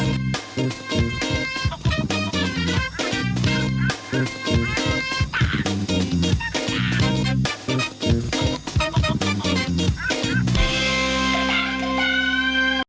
ตั้งแต่